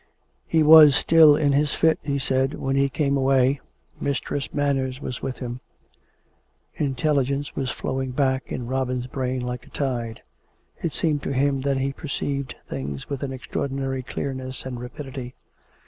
" He was still in his fit/' he said, " when we came away. Mistress Manners was with him." Intelligence was flowing back in Robin's brain like a tide. It seemed to him that he perceived things with an extraordinary clearness and rapidity.